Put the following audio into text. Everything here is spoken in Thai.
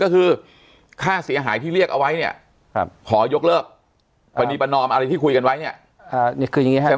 ก็คือค่าเสียหายที่เรียกเอาไว้เนี่ยขอยกเลิกปรณีประนอมอะไรที่คุยกันไว้เนี่ย